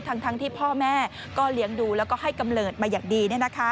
ทั้งที่พ่อแม่ก็เลี้ยงดูแล้วก็ให้กำเนิดมาอย่างดี